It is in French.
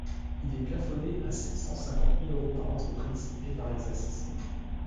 Il est plafonné à sept cent cinquante mille euros par entreprise et par exercice.